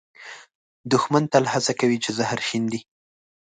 دښمن تل هڅه کوي چې زهر شیندي